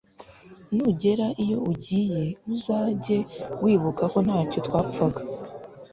nugera iyo ugiye uzajye wibuka ko ntacyo twapfaga